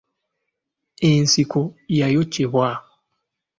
Ensiko yayokyebwa.